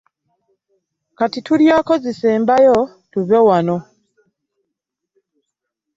Kati tulyako zisembayo tuve wano.